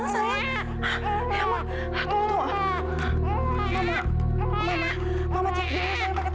cantik kan harus pengen sama mama juga kenapa sih